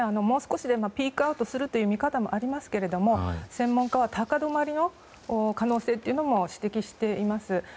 もう少しでピークアウトするという見方もありますが専門家は高止まりの可能性というのも指摘しています。